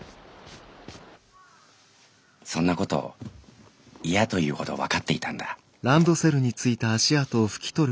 そんなこと嫌というほど分かっていたんだ」。